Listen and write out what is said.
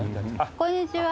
こんにちは。